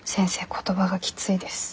言葉がきついです。